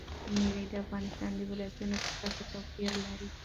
مېوې د افغانستان د ولایاتو په کچه توپیر لري.